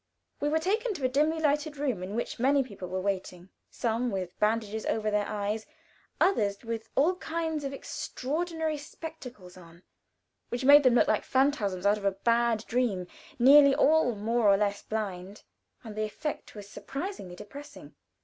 We were taken to a dimly lighted room in which many people were waiting, some with bandages over their eyes, others with all kinds of extraordinary spectacles on, which made them look like phantoms out of a bad dream nearly all more or less blind, and the effect was surprisingly depressing.